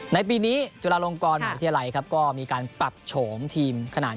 ในปีนี้จุฬาลงกรมหาวิทยาลัยครับก็มีการปรับโฉมทีมขนาด